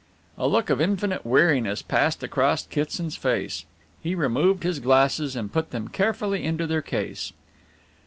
A look of infinite weariness passed across Kitson's face. He removed his glasses and put them carefully into their case.